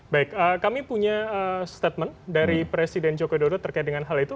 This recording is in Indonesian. baik kami punya statement dari presiden joko widodo terkait dengan hal itu